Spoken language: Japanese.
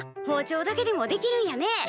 包丁だけでもできるんやね。